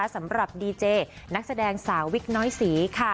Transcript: สำหรับดีเจนักแสดงสาววิกน้อยศรีค่ะ